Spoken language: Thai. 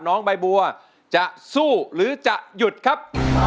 น้องใบบัวจะสู้หรือจะหยุดครับ